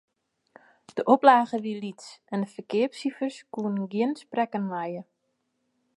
De oplage wie lyts en de ferkeapsifers koene gjin sprekken lije.